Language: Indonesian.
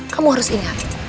kamu harus ingat